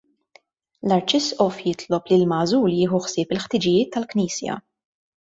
L-Arċisqof jitlob li l-magħżul jieħu ħsieb il-ħtiġijiet tal-Knisja.